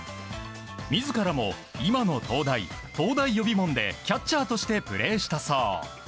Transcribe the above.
自らも今の東大東大予備門でキャッチャーとしてプレーしたそう。